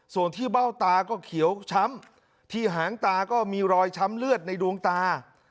ส่วนที่เบ้าตาก็เขียวช้ำที่หางตาก็มีรอยช้ำเลือดในดวงตา